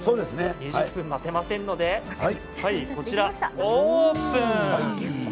２０分待てませんので、こちら、オープン。